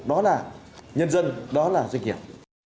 đó là nhân dân đó là doanh nghiệp